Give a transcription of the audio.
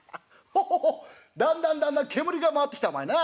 ホホホだんだんだんだん煙が回ってきたお前な。